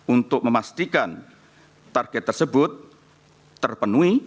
untuk memastikan target tersebut terpenuhi